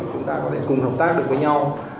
chúng ta có thể cùng hợp tác được với nhau